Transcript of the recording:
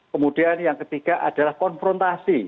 kemudian yang ketiga adalah konfrontasi